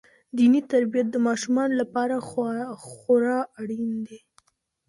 دیني تربیت د ماشومانو لپاره خورا اړین دی.